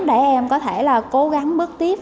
để em có thể là cố gắng bước tiếp